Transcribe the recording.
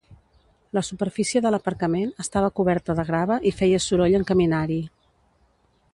La superfície de l'aparcament estava coberta de grava i feia soroll en caminar-hi.